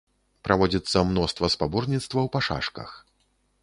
Праводзіцца мноства спаборніцтваў па шашках.